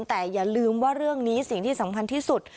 แต่อย่าลืมว่าเรื่องนี้สิ่งที่สำคัญที่สุด